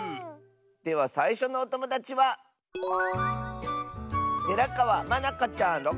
ではさいしょのおともだちはまなかちゃんの。